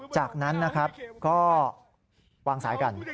จากนั้นนะครับก็วางสายกัน